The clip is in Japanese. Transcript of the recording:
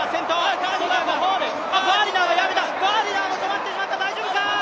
ガーディナーも止まってしまった、大丈夫か！